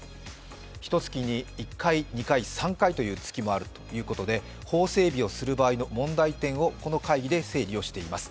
ひとつきに１回、２回、３回という月もあるということで法整備をする場合の問題点をこの会議で整理をしています。